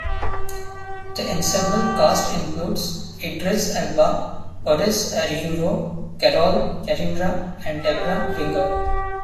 The ensemble cast includes Idris Elba, Oris Erhuero, Carole Karemera, and Debra Winger.